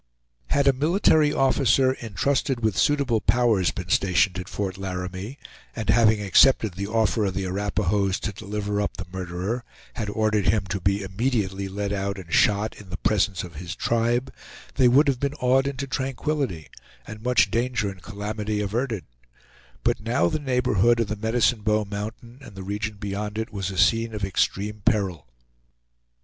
Had a military officer, intrusted with suitable powers, been stationed at Fort Laramie, and having accepted the offer of the Arapahoes to deliver up the murderer, had ordered him to be immediately led out and shot, in presence of his tribe, they would have been awed into tranquillity, and much danger and calamity averted; but now the neighborhood of the Medicine Bow Mountain and the region beyond it was a scene of extreme peril.